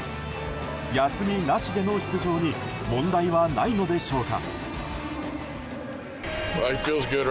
休みなしで出場に問題はないのでしょうか？